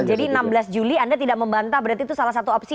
jadi enam belas juli anda tidak membantah berarti itu salah satu opsi